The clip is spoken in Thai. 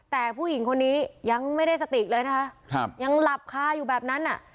แต่ผู้หญิงคนนี้ยังไม่ได้สติเลยนะคะครับยังหลับคาอยู่แบบนั้นอ่ะ